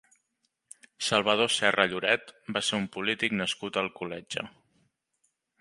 Salvador Serra Lloret va ser un polític nascut a Alcoletge.